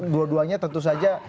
dua duanya tentu saja